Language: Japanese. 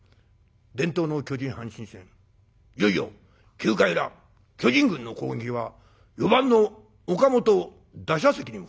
「伝統の巨人・阪神戦いよいよ９回裏巨人軍の攻撃は４番の岡本打者席に向かいます。